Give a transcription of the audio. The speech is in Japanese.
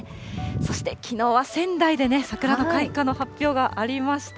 そして、きのうは仙台で桜の開花の発表がありました。